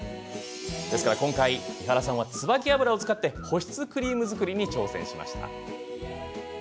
今回、伊原さんはツバキ油を使って保湿クリーム作りに挑戦しました。